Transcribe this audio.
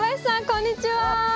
こんにちは。